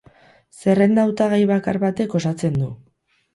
Zerrenda hautagai bakar batek osatzen du.